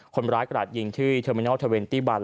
กระดาษยิงที่เทอร์มินอลเทอร์เวนตี้บัน